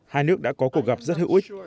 hai nước đã có cuộc gặp rất hữu ích